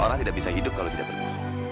orang tidak bisa hidup kalau tidak terbuka